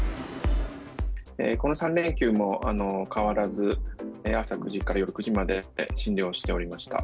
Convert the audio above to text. この３連休も、変わらず朝９時から夜９時まで診療しておりました。